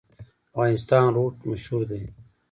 د افغانستان روټ مشهور دی